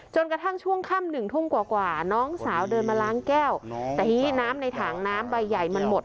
กระทั่งช่วงค่ำหนึ่งทุ่มกว่าน้องสาวเดินมาล้างแก้วแต่ทีนี้น้ำในถังน้ำใบใหญ่มันหมด